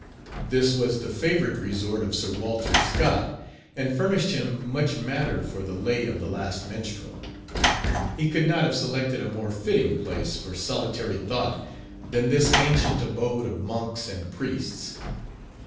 This was the favourite resort of Sir Walter Scott, and furnished him much matter for the "Lay of the Last Minstrel." He could not have selected a more fitting place for solitary thought than this ancient abode of monks and priests.